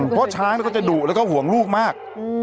เป็นการกระตุ้นการไหลเวียนของเลือด